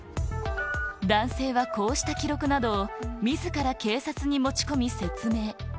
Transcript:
男性はこうした記録などを、みずから警察に持ち込み説明。